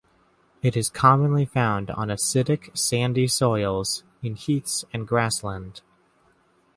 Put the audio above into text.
It is commonly found on acidic, sandy soils in heaths and grassland.